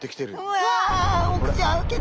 うわあお口開けて。